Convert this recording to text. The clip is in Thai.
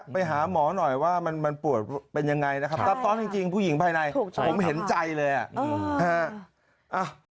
ไปหาหมอหน่อยว่ามันปวดเป็นยังไงนะครับซับซ้อนจริงผู้หญิงภายในผมเห็นใจเลยอ่ะ